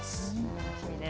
楽しみです。